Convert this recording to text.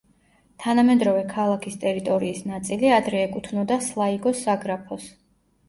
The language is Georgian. თანამედროვე ქალაქის ტერიტორიის ნაწილი ადრე ეკუთვნოდა სლაიგოს საგრაფოს.